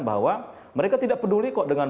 bahwa mereka tidak peduli kok dengan